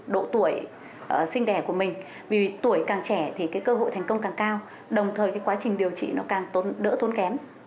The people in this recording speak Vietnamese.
độ tuổi sinh đẻ của mình vì tuổi càng trẻ thì cơ hội thành công càng cao đồng thời cái quá trình điều trị nó càng đỡ tốn kém